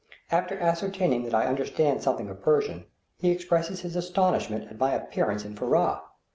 After ascertaining that I understand something of Persian, he expresses his astonishment at my appearance in Furrah.